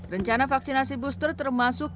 rencana vaksinasi booster termasuk